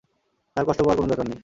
তাঁর কষ্ট পাওয়ার কোনো দরকার নেই।